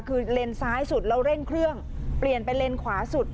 คือเลนซ้ายสุดแล้วเร่งเครื่องเปลี่ยนไปเลนขวาสุด